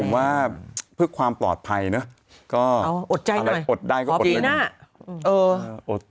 ว่าเพื่อความปลอดภัยอดใจหน่อยอดได้แล้วก็อดไปหน่อย